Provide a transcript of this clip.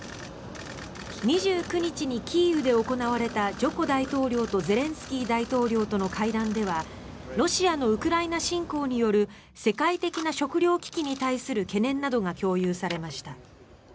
２９日にキーウで行われたジョコ大統領とゼレンスキー大統領との会談ではロシアのウクライナ侵攻による世界的な食糧危機に対する懸念などが共有されました。